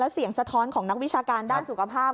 เสียงสะท้อนของนักวิชาการด้านสุขภาพ